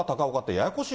ややこしい。